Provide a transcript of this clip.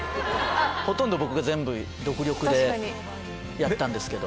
ほとんど僕が全部独力でやったんですけど。